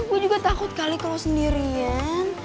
gue juga takut kali kalau sendirian